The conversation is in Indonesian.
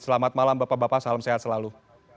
selamat malam bapak bapak salam sehat selalu